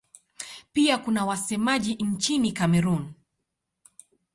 Pia kuna wasemaji nchini Kamerun.